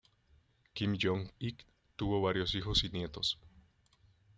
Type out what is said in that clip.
Kim Yong-ik tuvo varios hijos y nietos.